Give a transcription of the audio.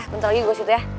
bentar lagi gue syut ya